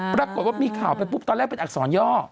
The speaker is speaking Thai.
ปรากฏว่ามีข่าวไปปุ๊บตอนแรกเป็นอักษรย่อ